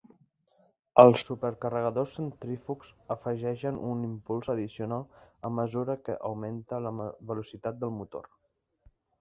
Els supercarregadors centrífugs afegeixen un impuls addicional a mesura que augmenta la velocitat del motor.